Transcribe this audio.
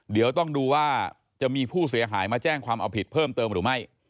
เดี๋ยวต้องดูว่าจะมีผู้เสียหายมาแจ้งความเอาผิดเพิ่มเติมหรือไม่